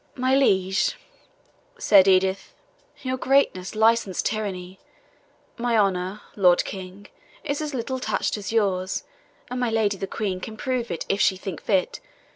"My liege," said Edith, "your greatness licenses tyranny. My honour, Lord King, is as little touched as yours, and my Lady the Queen can prove it if she think fit.